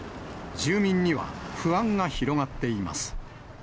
住民には不安が広がっています。